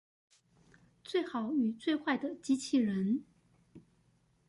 最好與最壞的機器人